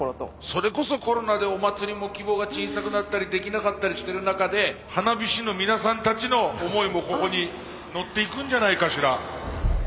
それこそコロナでお祭りも規模が小さくなったりできなかったりしてる中で花火師の皆さんたちの思いもここに乗っていくんじゃないかしら。